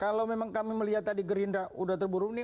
kalau memang kami melihat tadi gerindra sudah terburung ini